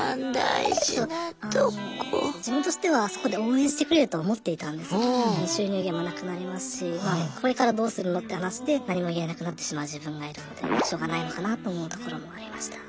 自分としてはそこで応援してくれると思っていたんですけど収入源もなくなりますしこれからどうするのって話で何も言えなくなってしまう自分がいるのでしょうがないのかなと思うところもありました。